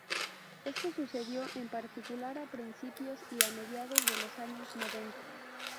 Esto sucedió, en particular, a principios y mediados de los años noventa.